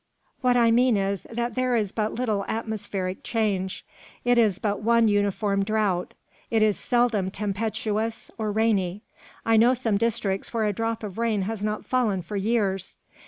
"What I mean is, that there is but little atmospheric change. It is but one uniform drought; it is seldom tempestuous or rainy. I know some districts where a drop of rain has not fallen for years."